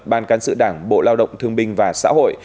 ban cán sự đảng bộ lao động thương binh và xã hội